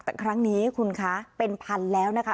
แต่ครั้งนี้คุณคะเป็นพันแล้วนะคะ